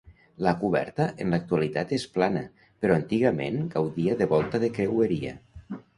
La coberta en l'actualitat és plana però antigament gaudia de volta de creueria.